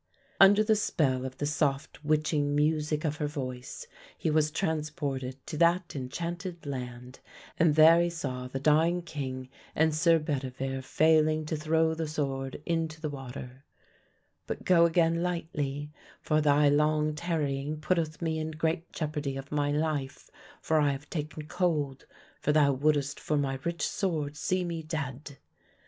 Under the spell of the soft witching music of her voice he was transported to that enchanted land, and there he saw the dying king and Sir Bedivere failing to throw the sword into the water: "But go again lightly, for thy long tarrying putteth me in great jeopardy of my life, for I have taken cold ... for thou wouldest for my rich sword see me dead!"